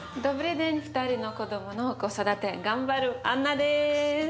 ２人の子どもの子育て頑張るアンナです。